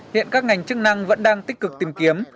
hiện các ngành chức năng vẫn đang tích cực tìm kiếm